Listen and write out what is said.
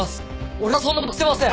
俺はそんな事してません！